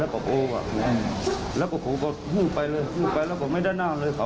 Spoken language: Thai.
ตอนเย็นไม่ได้เจอครับไม่ได้เจอ